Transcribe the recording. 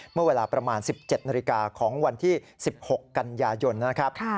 เมื่อเวลาประมาณ๑๗นาฬิกาของวันที่๑๖กันยายนนะครับ